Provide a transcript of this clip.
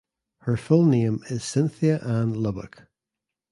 Her full name is Cynthia Ann Lubbock.